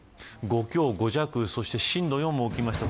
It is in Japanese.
５強、５弱そして震度４もきました。